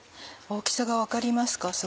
大きさが分かりますか？